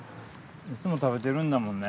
いつも食べてるんだもんね。